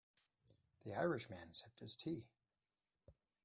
The Irish man sipped his tea.